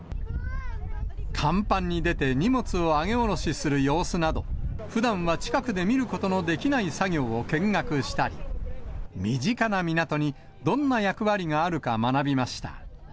甲板に出て荷物を上げ下ろしする様子など、ふだんは近くで見ることのできない作業を見学したり、身近な港にどんな役割があるか学びました。